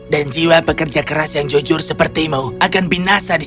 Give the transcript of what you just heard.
dan jiwa pekerja keras yang jujur sepertimu akan binasa